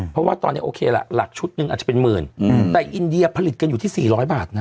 เพราะว่าตอนนี้โอเคล่ะหลักชุดหนึ่งอาจจะเป็นหมื่นแต่อินเดียผลิตกันอยู่ที่๔๐๐บาทนะ